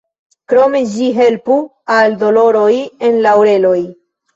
Krome ĝi helpu al doloroj en la oreloj.